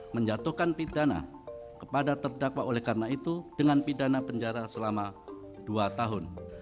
menjatuhkan pidana kepada terdakwa oleh karena itu dengan pidana penjara selama dua tahun